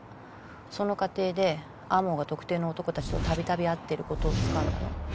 その過程で天羽が特定の男たちと度々会っている事をつかんだの。